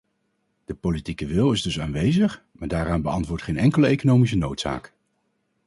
De politieke wil is dus aanwezig, maar daaraan beantwoordt geen enkele economische noodzaak.